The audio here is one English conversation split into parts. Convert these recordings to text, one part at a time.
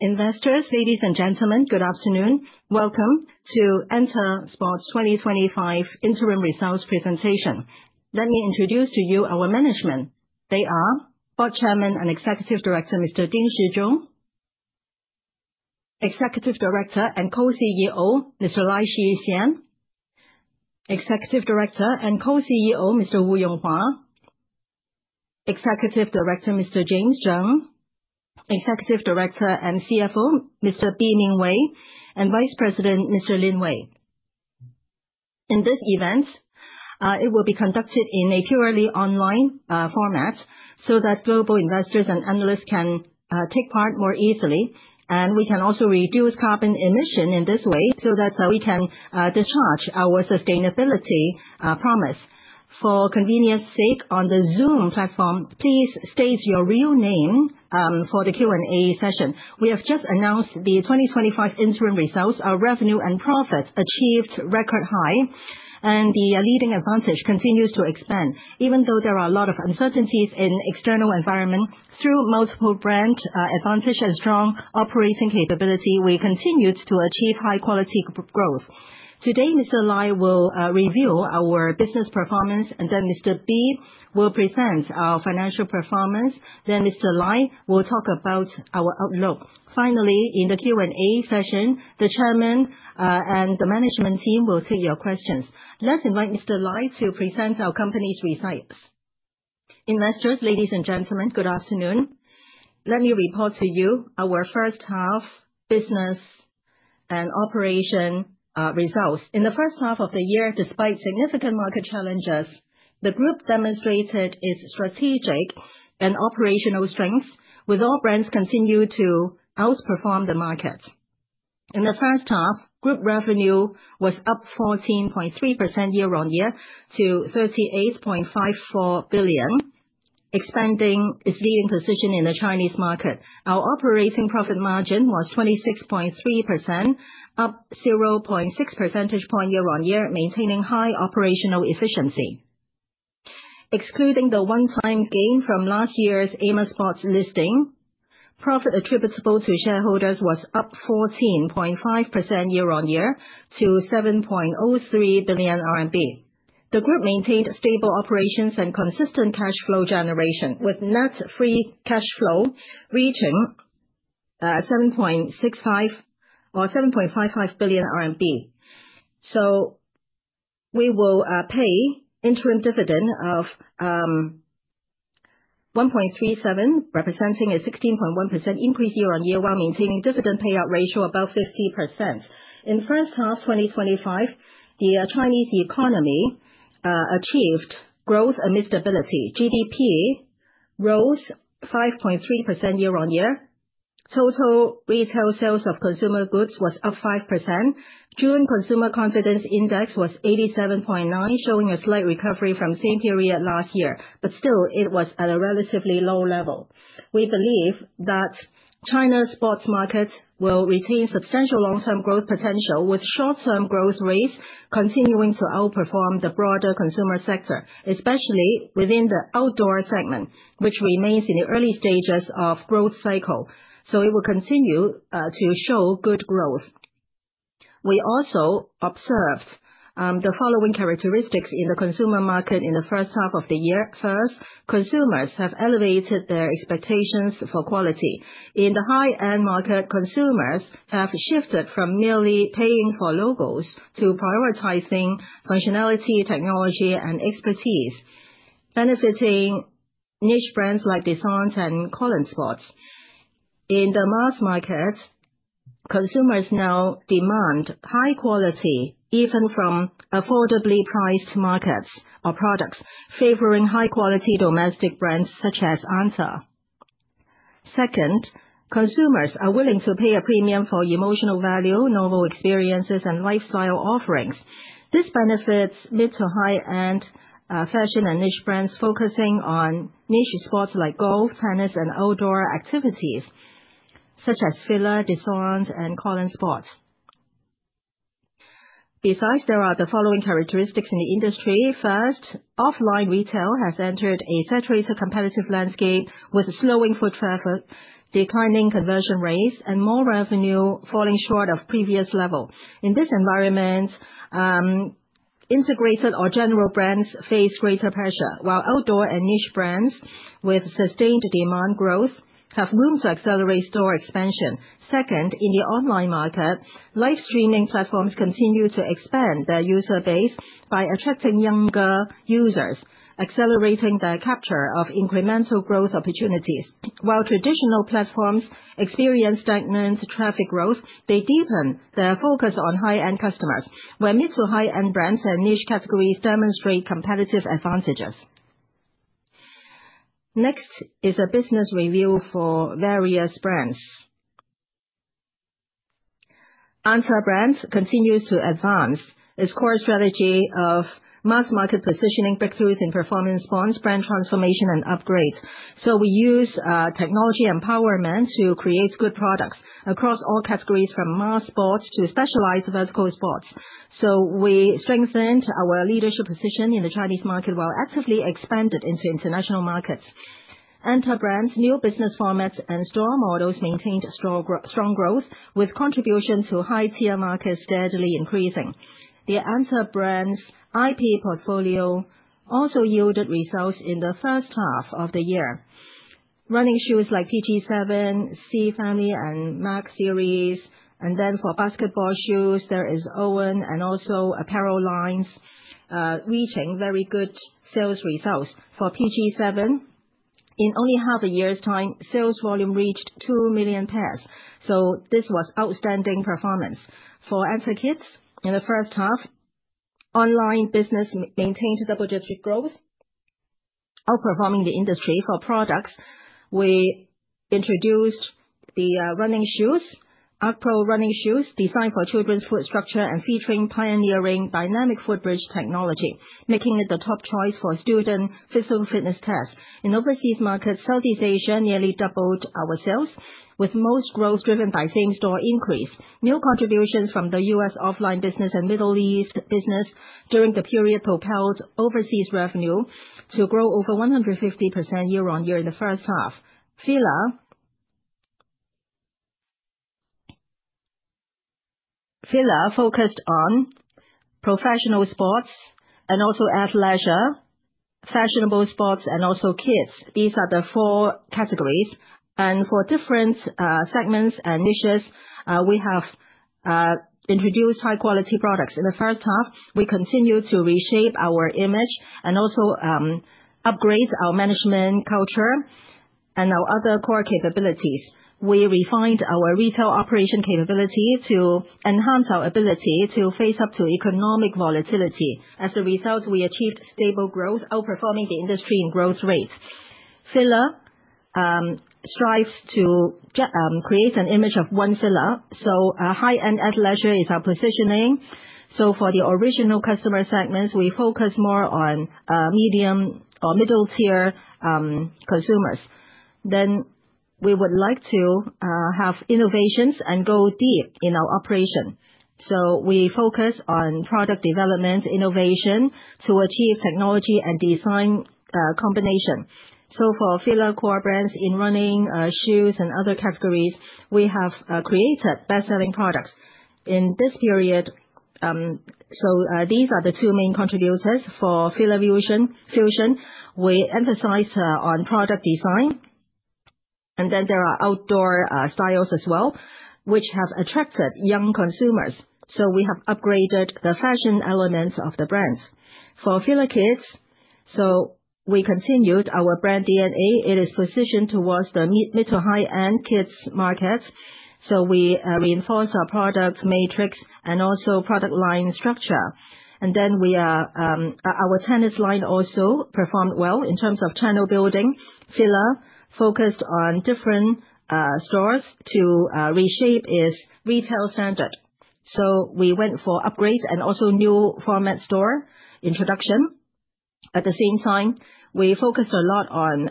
Investors, ladies and gentlemen, good afternoon. Welcome to ANTA Sports 2025 interim results presentation. Let me introduce to you our management. They are Board Chairman and Executive Director Mr. Ding Shizhong, Executive Director and Co-CEO Mr. Lai Shixian, Executive Director and Co-CEO Mr. Wu Yonghua, Executive Director Mr. James Zheng, Executive Director and CFO Mr. Bi Mingwei, and Vice President Mr. Lin Wei. In this event, it will be conducted in a purely online format so that global investors and analysts can take part more easily, and we can also reduce carbon emission in this way so that we can discharge our sustainability promise. For convenience's sake, on the Zoom platform, please state your real name for the Q&A session. We have just announced the 2025 interim results. Our revenue and profits achieved record high, and the leading advantage continues to expand. Even though there are a lot of uncertainties in the external environment, through multiple brand advantages and strong operating capability, we continued to achieve high-quality growth. Today, Mr. Lai will review our business performance, and then Mr. Bi will present our financial performance. Then Mr. Lai will talk about our outlook. Finally, in the Q&A session, the Chairman and the management team will take your questions. Let's invite Mr. Lai to present our company's results. Investors, ladies and gentlemen, good afternoon. Let me report to you our first-half business and operation results. In the first half of the year, despite significant market challenges, the group demonstrated its strategic and operational strengths, with all brands continuing to outperform the market. In the first half, group revenue was up 14.3% year-on-year to 38.54 billion, expanding its leading position in the Chinese market. Our operating profit margin was 26.3%, up 0.6 percentage points year-on-year, maintaining high operational efficiency. Excluding the one-time gain from last year's Amer Sports listing, profit attributable to shareholders was up 14.5% year-on-year to 7.03 billion RMB. The group maintained stable operations and consistent cash flow generation, with net free cash flow reaching RMB 7.55 billion. So we will pay interim dividend of 1.37, representing a 16.1% increase year-on-year while maintaining dividend payout ratio above 50%. In the first half of 2025, the Chinese economy achieved growth amid stability. GDP rose 5.3% year-on-year. Total retail sales of consumer goods was up 5%. June consumer confidence index was 87.9, showing a slight recovery from the same period last year, but still, it was at a relatively low level. We believe that China's sports market will retain substantial long-term growth potential, with short-term growth rates continuing to outperform the broader consumer sector, especially within the outdoor segment, which remains in the early stages of the growth cycle. So it will continue to show good growth. We also observed the following characteristics in the consumer market in the first half of the year. First, consumers have elevated their expectations for quality. In the high-end market, consumers have shifted from merely paying for logos to prioritizing functionality, technology, and expertise, benefiting niche brands like DESCENTE and KOLON SPORT. In the mass market, consumers now demand high quality even from affordably priced markets or products, favoring high-quality domestic brands such as ANTA. Second, consumers are willing to pay a premium for emotional value, novel experiences, and lifestyle offerings. This benefits mid-to-high-end fashion and niche brands focusing on niche sports like golf, tennis, and outdoor activities such as FILA, DESCENTE, and KOLON SPORT. Besides, there are the following characteristics in the industry. First, offline retail has entered a saturated competitive landscape with slowing foot traffic, declining conversion rates, and more revenue falling short of previous levels. In this environment, integrated or general brands face greater pressure, while outdoor and niche brands with sustained demand growth have room to accelerate store expansion. Second, in the online market, live streaming platforms continue to expand their user base by attracting younger users, accelerating their capture of incremental growth opportunities. While traditional platforms experience stagnant traffic growth, they deepen their focus on high-end customers, where mid-to-high-end brands and niche categories demonstrate competitive advantages. Next is a business review for various brands. ANTA brand continues to advance its core strategy of mass market positioning, breakthroughs in performance sports, brand transformation, and upgrades. We use technology empowerment to create good products across all categories from mass sports to specialized vertical sports. We strengthened our leadership position in the Chinese market while actively expanded into international markets. ANTA brand's new business formats and store models maintained strong growth, with contributions to high-tier markets steadily increasing. The ANTA brand's IP portfolio also yielded results in the first half of the year. Running shoes like PG7, C Family, and Mach series, and then for basketball shoes, there is Owen and also apparel lines reaching very good sales results. For PG7, in only half a year's time, sales volume reached 2 million pairs. This was outstanding performance. For ANTA kits, in the first half, online business maintained double-digit growth, outperforming the industry. For products, we introduced the running shoes, Arch Pro running shoes designed for children's foot structure and featuring pioneering dynamic footbridge technology, making it the top choice for student physical fitness tests. In overseas markets, Southeast Asia nearly doubled our sales, with most growth driven by same-store increase. New contributions from the U.S. offline business and Middle East business during the period propelled overseas revenue to grow over 150% year-on-year in the first half. FILA focused on professional sports and also athleisure, fashionable sports, and also kids. These are the four categories. And for different segments and niches, we have introduced high-quality products. In the first half, we continue to reshape our image and also upgrade our management culture and our other core capabilities. We refined our retail operation capability to enhance our ability to face up to economic volatility. As a result, we achieved stable growth, outperforming the industry in growth rates. FILA strives to create an image of One FILA. So high-end athleisure is our positioning. So for the original customer segments, we focus more on medium or middle-tier consumers. Then we would like to have innovations and go deep in our operation. So we focus on product development, innovation to achieve technology and design combination. So for FILA core brands in running shoes and other categories, we have created best-selling products. In this period, so these are the two main contributors for FILA FUSION. We emphasized on product design, and then there are outdoor styles as well, which have attracted young consumers. So we have upgraded the fashion elements of the brands. For FILA Kids, so we continued our brand DNA. It is positioned towards the mid-to-high-end kids markets. So we reinforced our product matrix and also product line structure. And then our tennis line also performed well in terms of channel building. FILA focused on different stores to reshape its retail standard. So we went for upgrades and also new format store introduction. At the same time, we focused a lot on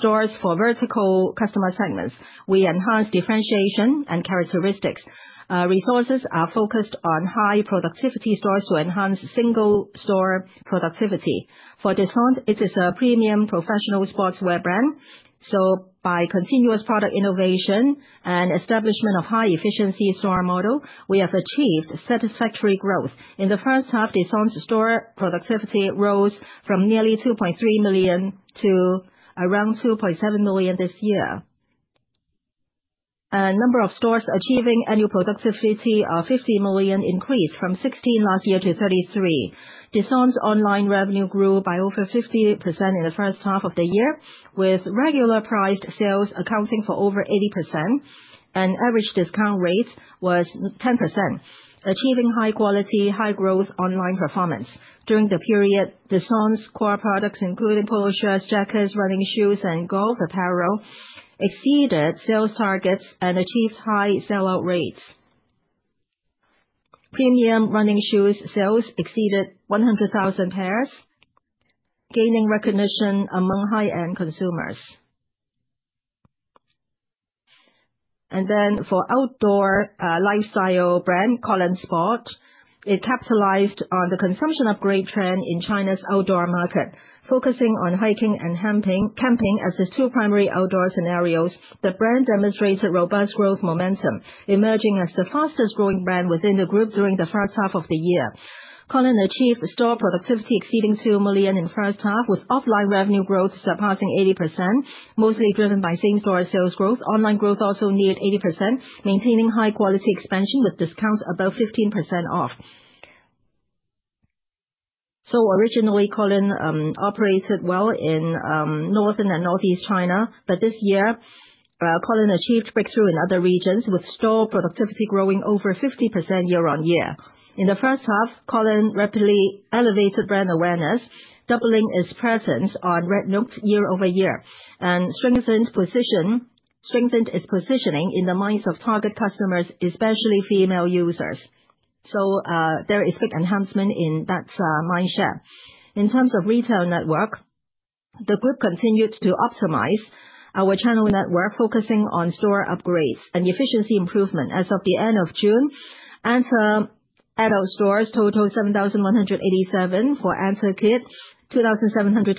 stores for vertical customer segments. We enhanced differentiation and characteristics. Resources are focused on high productivity stores to enhance single-store productivity. For DESCENTE, it is a premium professional sportswear brand. So by continuous product innovation and establishment of high-efficiency store model, we have achieved satisfactory growth. In the first half, DESCENTE's store productivity rose from nearly 2.3 million to around 2.7 million this year. A number of stores achieving annual productivity of 50 million increased from 16 last year to 33. DESCENTE's online revenue grew by over 50% in the first half of the year, with regular priced sales accounting for over 80%, and average discount rate was 10%, achieving high-quality, high-growth online performance. During the period, DESCENTE's core products, including polo shirts, jackets, running shoes, and golf apparel, exceeded sales targets and achieved high sell-out rates. Premium running shoes sales exceeded 100,000 pairs, gaining recognition among high-end consumers, and then for outdoor lifestyle brand KOLON SPORT, it capitalized on the consumption upgrade trend in China's outdoor market, focusing on hiking and camping as the two primary outdoor scenarios. The brand demonstrated robust growth momentum, emerging as the fastest-growing brand within the group during the first half of the year. KOLON achieved store productivity exceeding 2 million in the first half, with offline revenue growth surpassing 80%, mostly driven by same-store sales growth. Online growth also neared 80%, maintaining high-quality expansion with discounts above 15% off. So originally, KOLON SPORT operated well in Northern and Northeast China, but this year, KOLON SPORT achieved breakthrough in other regions, with store productivity growing over 50% year-on-year. In the first half, KOLON SPORT rapidly elevated brand awareness, doubling its presence on RedNote year-over-year, and strengthened its positioning in the minds of target customers, especially female users. So there is big enhancement in that mindset. In terms of retail network, the group continued to optimize our channel network, focusing on store upgrades and efficiency improvement. As of the end of June, ANTA Adult stores total 7,187 for ANTA Kids, 2,722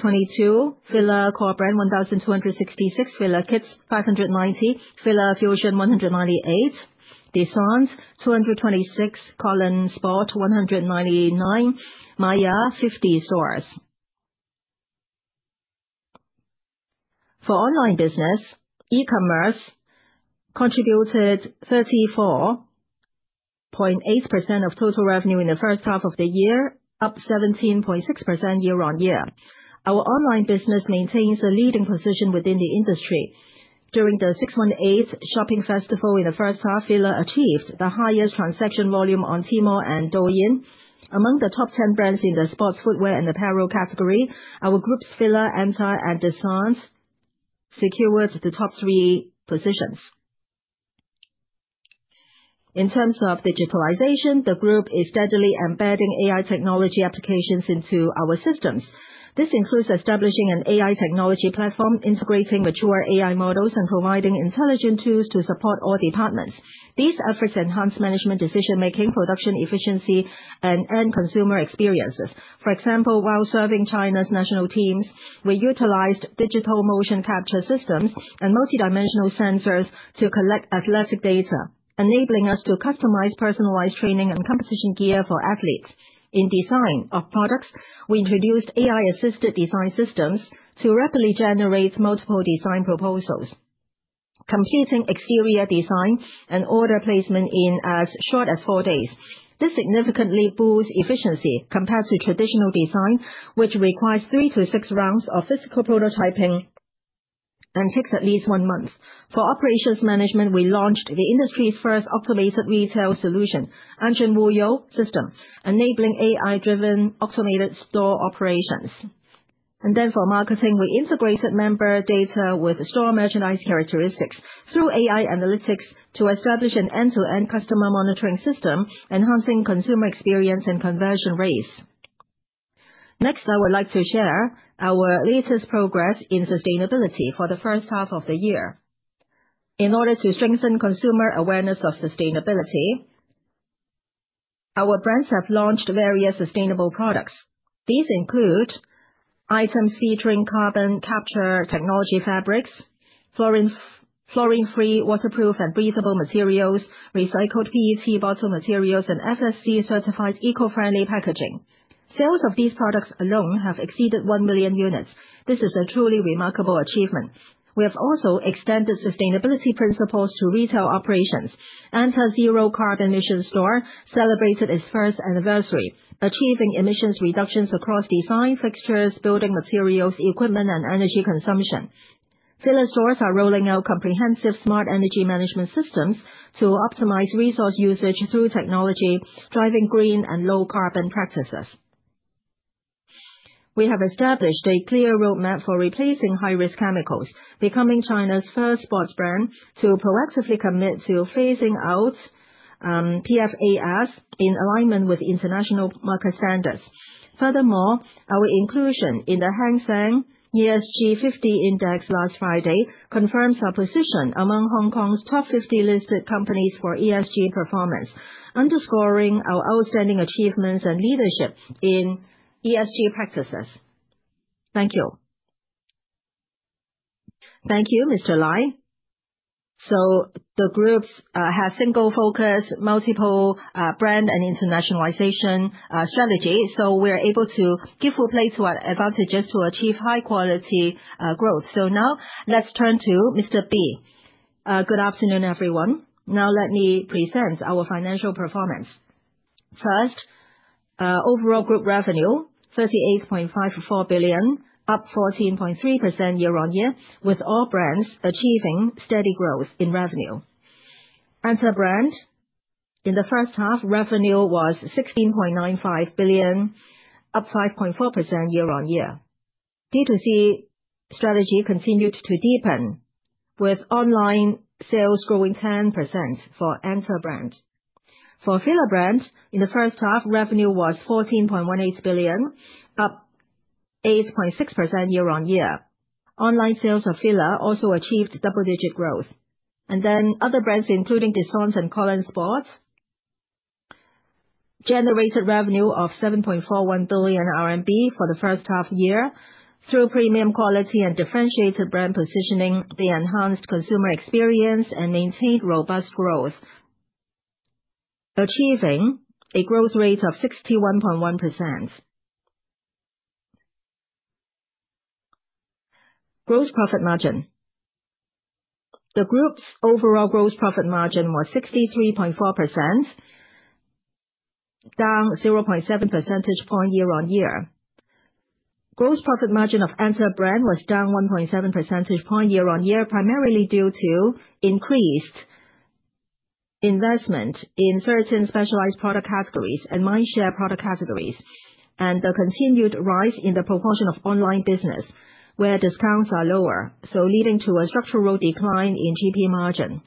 FILA core brand, 1,266 FILA Kids, 590 FILA FUSION, 198 DESCENTE, 226 KOLON SPORT, 199 MAIA ACTIVE, 50 stores. For online business, e-commerce contributed 34.8% of total revenue in the first half of the year, up 17.6% year-on-year. Our online business maintains a leading position within the industry. During the 618 Shopping Festival in the first half, FILA achieved the highest transaction volume on Tmall and Douyin. Among the top 10 brands in the sports, footwear, and apparel category, our group's FILA, ANTA, and DESCENTE secured the top three positions. In terms of digitalization, the group is steadily embedding AI technology applications into our systems. This includes establishing an AI technology platform, integrating mature AI models, and providing intelligent tools to support all departments. These efforts enhance management decision-making, production efficiency, and end-consumer experiences. For example, while serving China's national teams, we utilized digital motion capture systems and multidimensional sensors to collect athletic data, enabling us to customize personalized training and competition gear for athletes. In design of products, we introduced AI-assisted design systems to rapidly generate multiple design proposals, completing exterior design and order placement in as short as four days. This significantly boosts efficiency compared to traditional design, which requires three to six rounds of physical prototyping and takes at least one month. For operations management, we launched the industry's first automated retail solution, Axin Wuyou system, enabling AI-driven automated store operations and then for marketing, we integrated member data with store merchandise characteristics through AI analytics to establish an end-to-end customer monitoring system, enhancing consumer experience and conversion rates. Next, I would like to share our latest progress in sustainability for the first half of the year. In order to strengthen consumer awareness of sustainability, our brands have launched various sustainable products. These include items featuring carbon capture technology fabrics, fluorine-free, waterproof, and breathable materials, recycled PET bottle materials, and FSC-certified eco-friendly packaging. Sales of these products alone have exceeded one million units. This is a truly remarkable achievement. We have also extended sustainability principles to retail operations. ANTA Zero Carbon Mission Store celebrated its first anniversary, achieving emissions reductions across design, fixtures, building materials, equipment, and energy consumption. FILA stores are rolling out comprehensive smart energy management systems to optimize resource usage through technology, driving green and low-carbon practices. We have established a clear roadmap for replacing high-risk chemicals, becoming China's first sports brand to proactively commit to phasing out PFAS in alignment with international market standards. Furthermore, our inclusion in the Hang Seng ESG 50 Index last Friday confirms our position among Hong Kong's top 50 listed companies for ESG performance, underscoring our outstanding achievements and leadership in ESG practices. Thank you. Thank you, Mr. Lai. The groups have single-focus, multiple brand and internationalization strategies. We are able to give full play to our advantages to achieve high-quality growth. Now let's turn to Mr. Bi. Good afternoon, everyone. Now let me present our financial performance. First, overall group revenue, 38.54 billion, up 14.3% year-on-year, with all brands achieving steady growth in revenue. ANTA brand, in the first half, revenue was 16.95 billion, up 5.4% year-on-year. D2C strategy continued to deepen, with online sales growing 10% for ANTA brand. For FILA brand, in the first half, revenue was 14.18 billion, up 8.6% year-on-year. Online sales of FILA also achieved double-digit growth. Then other brands, including DESCENTE and KOLON SPORT, generated revenue of 7.41 billion RMB for the first half year. Through premium quality and differentiated brand positioning, they enhanced consumer experience and maintained robust growth, achieving a growth rate of 61.1%. Gross profit margin. The group's overall gross profit margin was 63.4%, down 0.7 percentage points year-on-year. Gross profit margin of ANTA brand was down 1.7 percentage points year-on-year, primarily due to increased investment in certain specialized product categories and mind-share product categories and the continued rise in the proportion of online business, where discounts are lower, so leading to a structural decline in GP margin.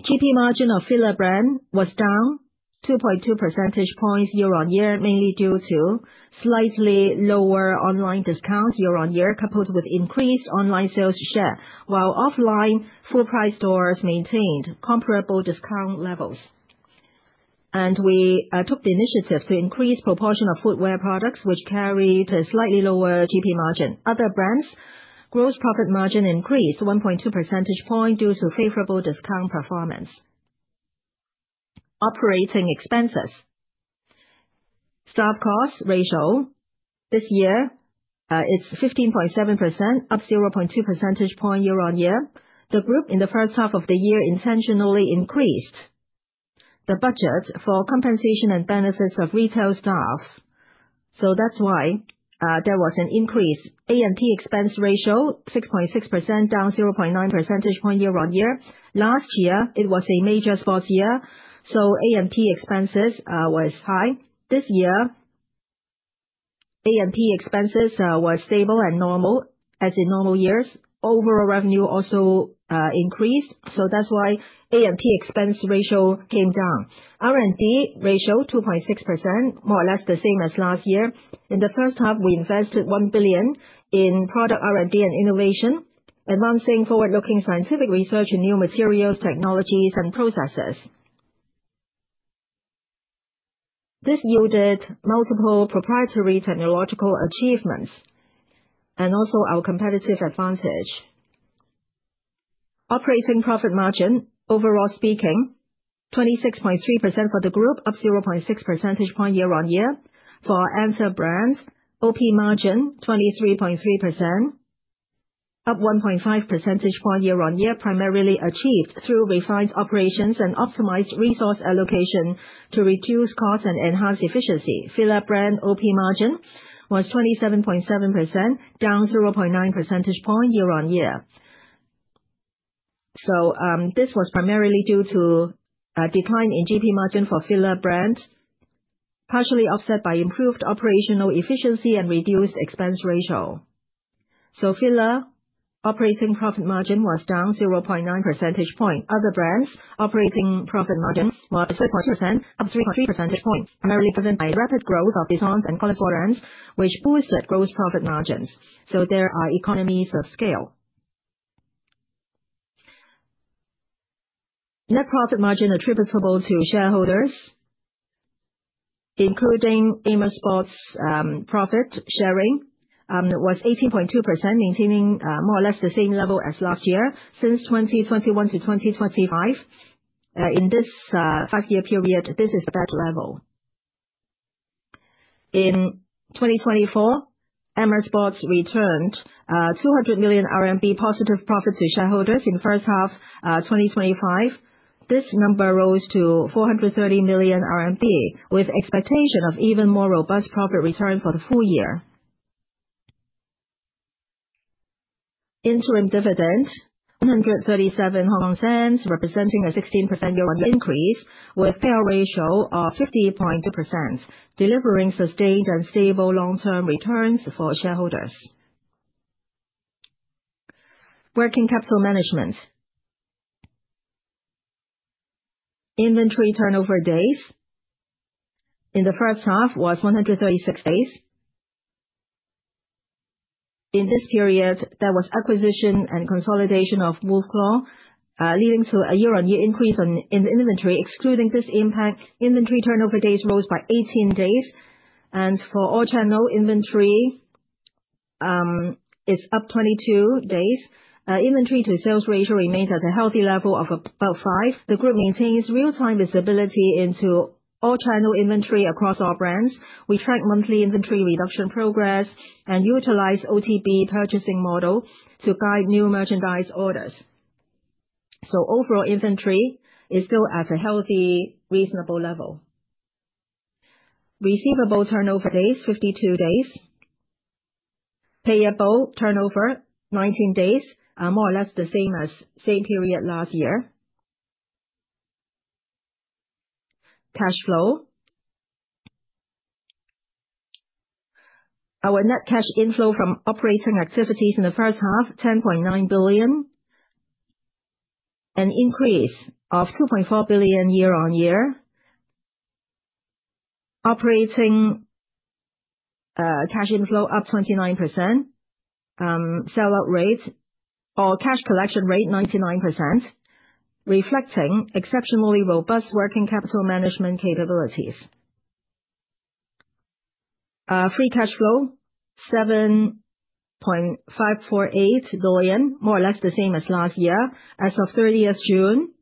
GP margin of FILA brand was down 2.2 percentage points year-on-year, mainly due to slightly lower online discounts year-on-year, coupled with increased online sales share, while offline full-price stores maintained comparable discount levels, and we took the initiative to increase proportion of footwear products, which carried a slightly lower GP margin. Other brands, gross profit margin increased 1.2 percentage points due to favorable discount performance. Operating expenses. Staff cost ratio. This year, it's 15.7%, up 0.2 percentage points year-on-year. The group, in the first half of the year, intentionally increased the budget for compensation and benefits of retail staff. So that's why there was an increase. ANP expense ratio, 6.6%, down 0.9 percentage points year-on-year. Last year, it was a major sports year, so ANP expenses were high. This year, ANP expenses were stable and normal, as in normal years. Overall revenue also increased, so that's why ANP expense ratio came down. R&D ratio, 2.6%, more or less the same as last year. In the first half, we invested 1 billion in product R&D and innovation, advancing forward-looking scientific research in new materials, technologies, and processes. This yielded multiple proprietary technological achievements and also our competitive advantage. Operating profit margin, overall speaking, 26.3% for the group, up 0.6 percentage points year-on-year. For ANTA brand, OP margin, 23.3%, up 1.5 percentage points year-on-year, primarily achieved through refined operations and optimized resource allocation to reduce costs and enhance efficiency. FILA brand, OP margin was 27.7%, down 0.9 percentage points year-on-year. This was primarily due to a decline in GP margin for FILA brand, partially offset by improved operational efficiency and reduced expense ratio. FILA operating profit margin was down 0.9 percentage points. Other brands' operating profit margin was 3.3%, up 3.3 percentage points, primarily driven by rapid growth of DESCENTE and KOLON SPORT, which boosted gross profit margins. There are economies of scale. Net profit margin attributable to shareholders, including Amer Sports profit sharing, was 18.2%, maintaining more or less the same level as last year. Since 2021 to 2025, in this five-year period, this is that level. In 2024, Amer Sports returned 200 million RMB positive profit to shareholders in the first half of 2025. This number rose to 430 million RMB, with expectation of even more robust profit return for the full year. Interim dividend, 1.37, representing a 16% year-on-year increase with payout ratio of 50.2%, delivering sustained and stable long-term returns for shareholders. Working capital management. Inventory turnover days in the first half was 136 days. In this period, there was acquisition and consolidation of Wolf Claw, leading to a year-on-year increase in the inventory. Excluding this impact, inventory turnover days rose by 18 days, and for all-channel inventory, it's up 22 days. Inventory to sales ratio remains at a healthy level of about five. The group maintains real-time visibility into all-channel inventory across all brands. We track monthly inventory reduction progress and utilize OTB purchasing model to guide new merchandise orders. So overall inventory is still at a healthy, reasonable level. Receivable turnover days, 52 days. Payable turnover, 19 days, more or less the same as same period last year. Cash flow. Our net cash inflow from operating activities in the first half, 10.9 billion, an increase of 2.4 billion year-on-year. Operating cash inflow up 29%. Sell-out rate, or cash collection rate, 99%, reflecting exceptionally robust working capital management capabilities. Free cash flow, 7.548 billion, more or less the same as last year. As of 30th June,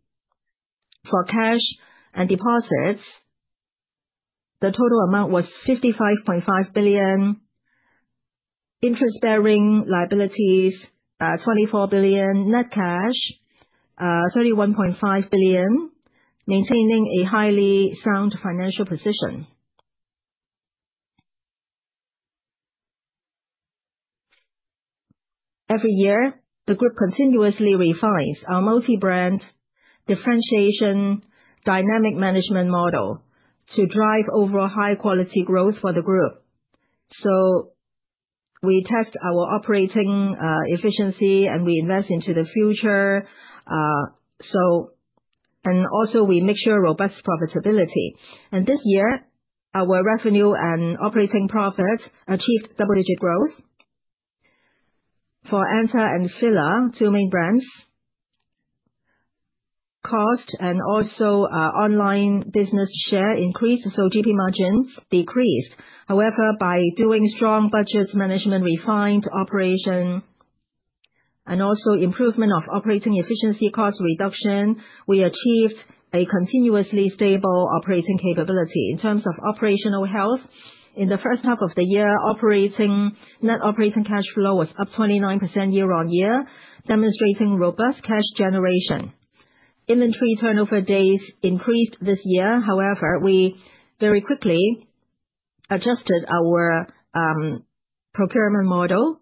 for cash and deposits, the total amount was 55.5 billion. Interest-bearing liabilities, 24 billion. Net cash, 31.5 billion, maintaining a highly sound financial position. Every year, the group continuously refines our multi-brand differentiation dynamic management model to drive overall high-quality growth for the group. We test our operating efficiency and we invest into the future. And also, we make sure robust profitability. And this year, our revenue and operating profit achieved double-digit growth. For ANTA and FILA, two main brands, cost and also online business share increased, so GP margins decreased. However, by doing strong budget management, refined operation, and also improvement of operating efficiency, cost reduction, we achieved a continuously stable operating capability. In terms of operational health, in the first half of the year, net operating cash flow was up 29% year-on-year, demonstrating robust cash generation. Inventory turnover days increased this year. However, we very quickly adjusted our procurement model.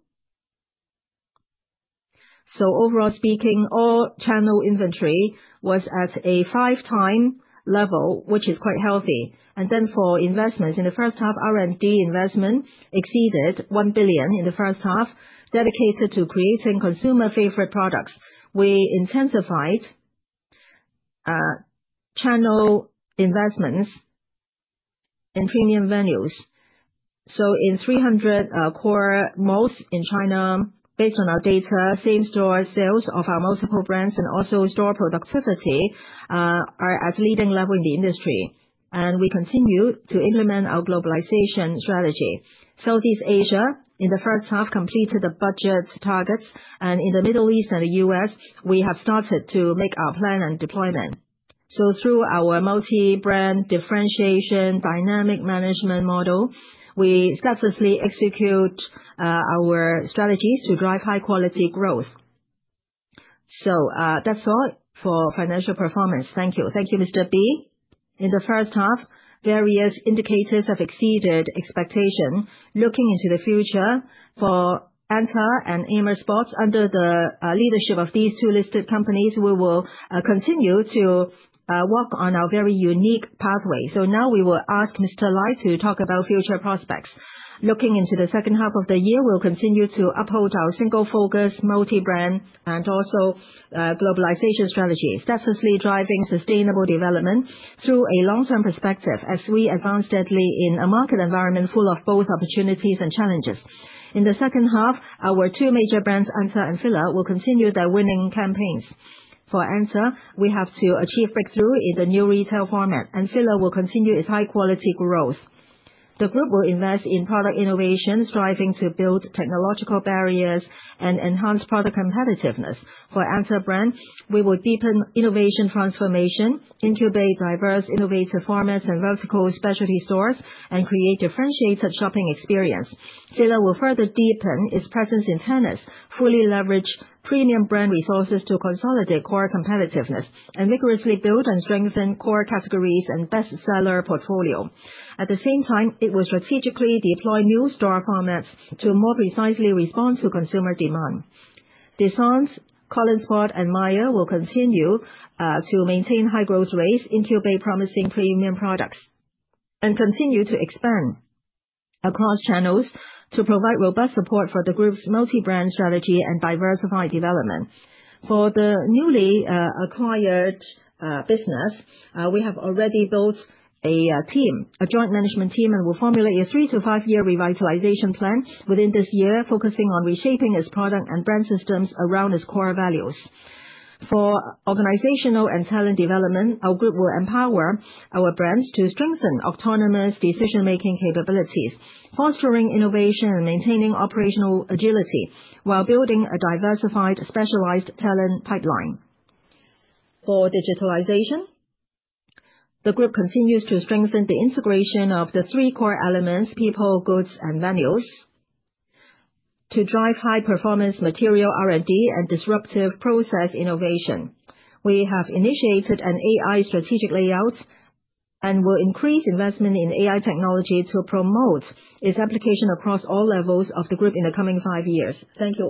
So overall speaking, all-channel inventory was at a five-time level, which is quite healthy. And then for investments, in the first half, R&D investment exceeded 1 billion in the first half, dedicated to creating consumer-favorite products. We intensified channel investments in premium venues, so in 300 core malls in China, based on our data, same store sales of our multiple brands and also store productivity are at leading level in the industry, and we continue to implement our globalization strategy. In Southeast Asia, in the first half, completed the budget targets. And in the Middle East and the U.S., we have started to make our plan and deployment, so through our multi-brand differentiation dynamic management model, we seamlessly execute our strategies to drive high-quality growth. That's all for financial performance. Thank you. Thank you, Mr. Bi. In the first half, various indicators have exceeded expectations. Looking into the future for ANTA and Amer Sports under the leadership of these two listed companies, we will continue to work on our very unique pathway, so now we will ask Mr. Lai to talk about future prospects. Looking into the second half of the year, we'll continue to uphold our single-focus, multi-brand, and also globalization strategies, steps as we drive sustainable development through a long-term perspective as we advance steadily in a market environment full of both opportunities and challenges. In the second half, our two major brands, ANTA and FILA, will continue their winning campaigns. For ANTA, we have to achieve breakthrough in the new retail format, and FILA will continue its high-quality growth. The group will invest in product innovation, striving to build technological barriers and enhance product competitiveness. For ANTA brand, we will deepen innovation transformation, incubate diverse innovative formats and vertical specialty stores, and create differentiated shopping experience. FILA will further deepen its presence in tennis, fully leverage premium brand resources to consolidate core competitiveness, and vigorously build and strengthen core categories and best-seller portfolio. At the same time, it will strategically deploy new store formats to more precisely respond to consumer demand. DESCENTE, KOLON SPORT, and MAIA ACTIVE will continue to maintain high growth rates, incubate promising premium products, and continue to expand across channels to provide robust support for the group's multi-brand strategy and diversified development. For the newly acquired business, we have already built a team, a joint management team, and will formulate a three- to five-year revitalization plan within this year, focusing on reshaping its product and brand systems around its core values. For organizational and talent development, our group will empower our brands to strengthen autonomous decision-making capabilities, fostering innovation and maintaining operational agility while building a diversified specialized talent pipeline. For digitalization, the group continues to strengthen the integration of the three core elements, people, goods, and venues, to drive high-performance material R&D and disruptive process innovation. We have initiated an AI strategic layout and will increase investment in AI technology to promote its application across all levels of the group in the coming five years. Thank you.